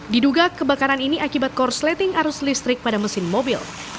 diduga kebakaran ini akibat korsleting arus listrik pada mesin mobil